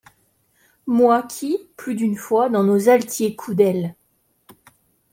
Moi qui, plus d'une fois, dans nos altiers coups d'aile